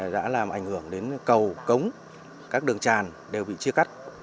đã làm ảnh hưởng đến cầu cống các đường tràn đều bị chia cắt